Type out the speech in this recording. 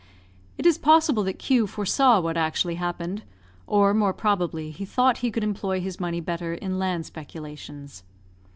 It is possible that Q foresaw what actually happened; or, more probably, he thought he could employ his money better in land speculations.